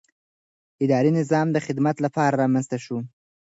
اداري نظام د خدمت لپاره رامنځته شوی.